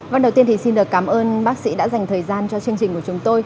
vâng đầu tiên thì xin được cảm ơn bác sĩ đã dành thời gian cho chương trình của chúng tôi